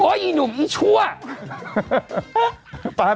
โอ๊ยอีหนูอีชัวร์